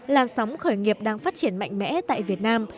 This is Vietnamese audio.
làn sóng khởi nghiệp đang phát triển mạnh mẽ tại việt nam